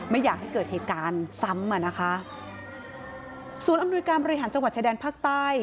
ไม่อยากให้เกิดเหตุการณ์ซ้ำอ่ะนะคะศูนย์อำนวยการบริหารจังหวัดชายแดนภาคใต้